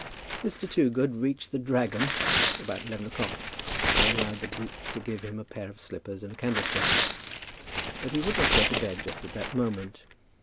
Mr. Toogood reached the "Dragon" about eleven o'clock, and allowed the boots to give him a pair of slippers and a candlestick. But he would not go to bed just at that moment.